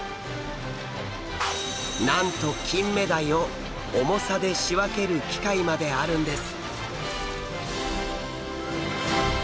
なんとキンメダイを重さで仕分ける機械まであるんです。